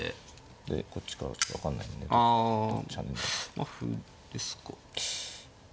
まあ歩ですか。